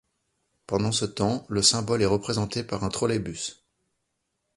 Pendant ce temps, le symbole est représenté par un trolleybus.